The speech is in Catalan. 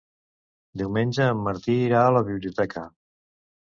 Diumenge en Martí irà a la biblioteca.